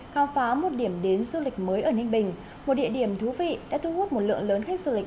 khám phá một điểm đến du lịch mới ở ninh bình một địa điểm thú vị đã thu hút một lượng lớn khách du lịch